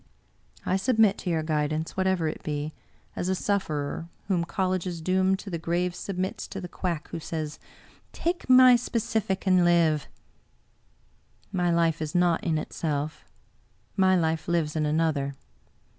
I submit to your guidance, whatever it be, as a sufferer whom colleges doom to the grave submits to the quack who says, *Take my specific and live!' My life is naught in itself; my life lives in another.